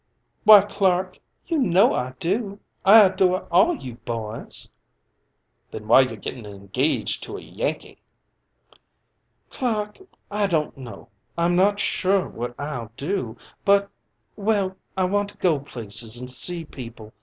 "Why, Clark, you know I do. I adore all you boys." "Then why you gettin' engaged to a Yankee?" "Clark, I don't know. I'm not sure what I'll do, but well, I want to go places and see people.